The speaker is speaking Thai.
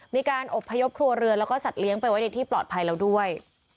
มีการอบพยพครัวเรือนแล้วก็สัตว์เลี้ยงไปไว้ในที่ปลอดภัยแล้วด้วย